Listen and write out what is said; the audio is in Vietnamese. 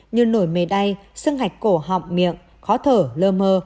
như nổi mề đay xương hạch cổ họng miệng khó thở lơ mơ